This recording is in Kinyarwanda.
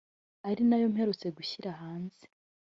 ari nayo mperutse gushyira hanze